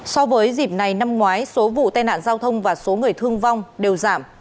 so với dịp này năm ngoái số vụ tai nạn giao thông và số người thương vong đều giảm